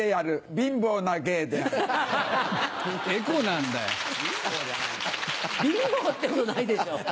貧乏ってことないでしょ。